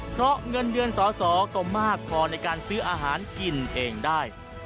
เพราะเงินเดือนสอสอก็มากพอในการซื้ออาหารกินเองได้